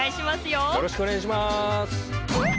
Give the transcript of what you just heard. よろしくお願いします。